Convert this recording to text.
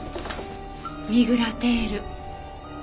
ミグラテール。